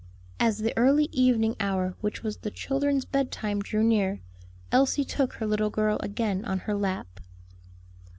As the early evening hour which was the children's bed time drew near, Elsie took her little girl again on her lap.